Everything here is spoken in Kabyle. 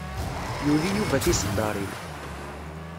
Yuli Yuba tiseddaṛin.